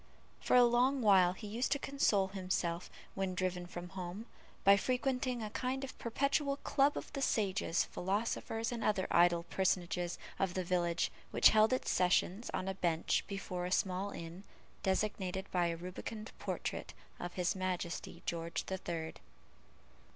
For a long while he used to console himself, when driven from home, by frequenting a kind of perpetual club of the sages, philosophers, and other idle personages of the village, which held its sessions on a bench before a small inn, designated by a rubicund portrait of his Majesty George the Third.